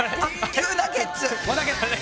急なゲッツ。